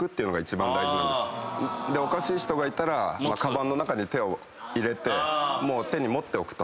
おかしい人がいたらかばんの中に手を入れてもう手に持っておくと。